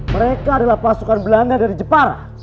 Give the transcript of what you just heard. mereka adalah pasukan belanda dari jepara